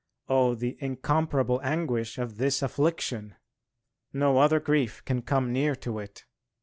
Oh! the incomparable anguish of this affliction. No other grief can come near to it."